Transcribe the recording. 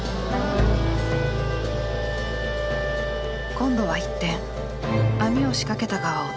今度は一転網を仕掛けた側を点灯。